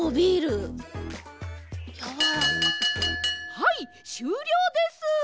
はいしゅうりょうです！